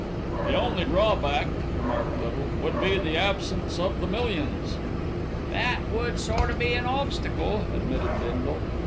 "The only drawback," remarked Little, "would be the absence of the millions." "That would sort o' be a obstacle," admitted Bindle.